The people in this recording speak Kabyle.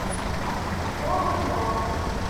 Sɛiɣ anza.